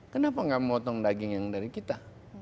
kenapa nggak memotong daging yang dari kita